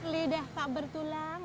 lidah tak bertulang